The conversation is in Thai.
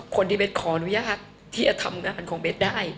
เบสขออนุญาตที่จะทำงานของเบสได้